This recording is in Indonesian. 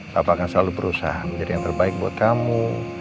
bapak akan selalu berusaha menjadi yang terbaik buat kamu